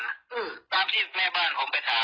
อืมตามที่แม่บ้านผมไปถาม